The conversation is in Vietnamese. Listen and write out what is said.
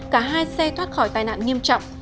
cả hai xe thoát khỏi tai nạn nghiêm trọng